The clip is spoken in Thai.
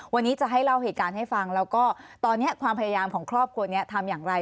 วันนี้จะให้เล่าเหตุการณ์ให้ฟังแล้วก็ตอนนี้ความพยายามของครอบครัวนี้ทำอย่างไร